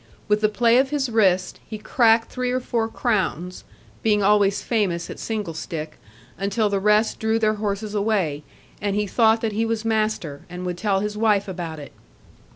With the play of his wrist, he cracked three or four crowns, being always famous at single stick; until the rest drew their horses away, and he thought that he was master, and would tell his wife about it.